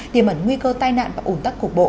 tiềm ẩn nguy cơ tai nạn và ủn tắc cục bộ